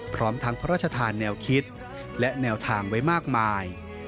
พร้อมทั้งพระราชทานแนวคิดและแนวทางไว้มากมาย